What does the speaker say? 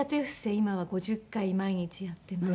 今は５０回毎日やってます。